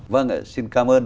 vâng ạ xin cảm ơn